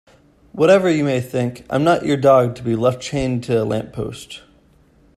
Whatever you may think I'm not your dog to be left chained to a lamppost.